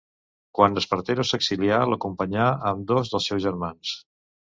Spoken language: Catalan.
Quan Espartero s’exilià l’acompanyà, amb dos dels seus germans.